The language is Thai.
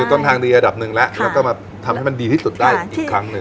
ต้นทางดีอันดับหนึ่งแล้วแล้วก็มาทำให้มันดีที่สุดได้อีกครั้งหนึ่ง